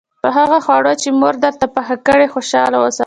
په هغه خواړو چې مور درته پاخه کړي خوشاله اوسه.